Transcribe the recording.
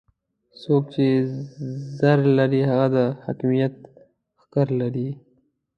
څوک چې زر لري هغه د حاکميت ښکر لري.